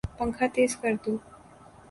پنکھا تیز کردو